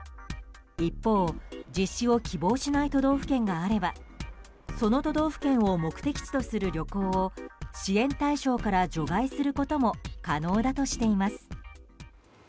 一方、実施を希望しない都道府県があればその都道府県を目的地とする旅行を支援対象から除外することも可能だとしています。